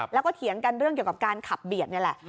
แล้วก็เถียงกันเรื่องเกี่ยวกับการขับเบียดนี่แหละ